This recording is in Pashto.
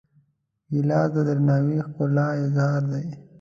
ګیلاس د درناوي ښکلی اظهار دی.